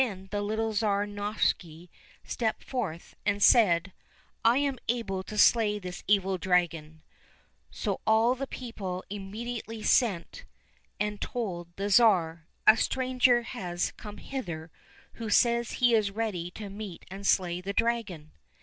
Then little Tsar Novishny stepped forth and said, " I am able to slay this evil dragon !" So all the people immediately sent and told the Tsar, '' A stranger has come hither who says he is ready to meet and slay the dragon."